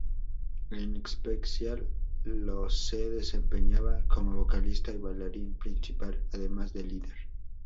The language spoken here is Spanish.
En SpeXial, Lo se desempeñaba como vocalista y bailarín principal además de líder.